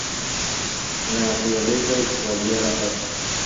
What’s going to guarantee me this?